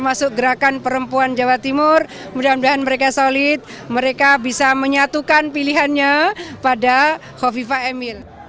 mudah mudahan mereka solid mereka bisa menyatukan pilihannya pada kofifa emil